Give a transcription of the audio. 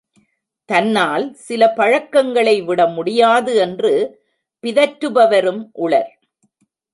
தன்னால் சில பழக்கங்களை விடமுடியாது என்று பிதற்றுபவரும் உளர்.